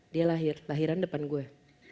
dia lahir lahiran depan gue